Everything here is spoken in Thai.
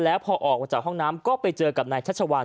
แล้วพอออกมาจากห้องน้ำก็ไปเจอกับนายชัชวัล